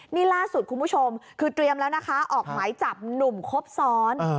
นี่ล่าสุดคุณผู้ชมคือเตรียมแล้วนะคะออกหมายจับหนุ่มครบซ้อน